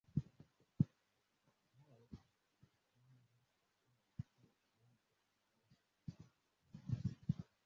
nge hao wanakutana huku waziri mkuu wa zamani yarde alawi